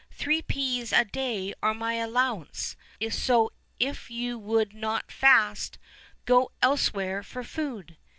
three peas a day are my allowance; so if you would not fast, go elsewhere for food."